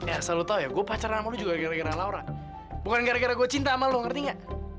eh asal lu tau ya gue pacaran sama lu juga gara gara laura bukan gara gara gue cinta sama lu ngerti ga